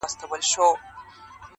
دې خو بیا ـ بیا انسان ته د فکر